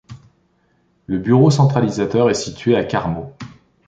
Le bureau centralisateur est situé à Carmaux.